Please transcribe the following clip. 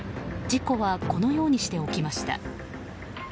事故はこのようにして起きました。